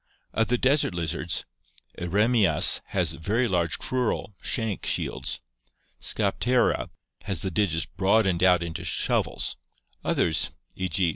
Of the desert lizards, Eremias has very large crural (shank) shields; Scapkira has the digits broadened out into shovels; others, e. g.